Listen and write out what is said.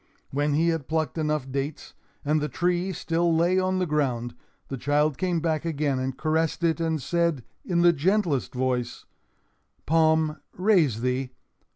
When he had plucked enough dates, and the tree still lay on the ground, the child came back again and caressed it and said, in the gentlest voice: "Palm, raise thee!